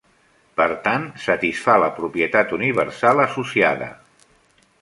Per tant, satisfà la propietat universal associada.